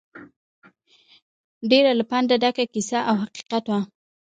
ډېره له پنده ډکه کیسه او حقیقت وه.